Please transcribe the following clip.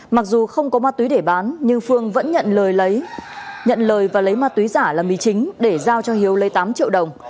mặc dù không có ma túy để bán nhưng phương vẫn nhận lời và lấy ma túy giả là mì chính để giao cho hiếu lấy tám triệu đồng